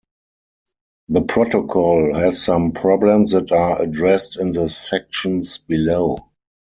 The protocol has some problems that are addressed in the sections below.